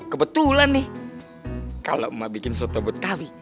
kebetulan nih kalau emak bikin soto betawi